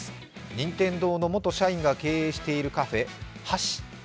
任天堂の元社員が経営しているカフェ、８４。